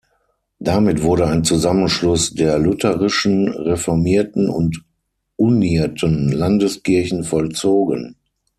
Damit wurde ein Zusammenschluss der lutherischen, reformierten und unierten Landeskirchen vollzogen.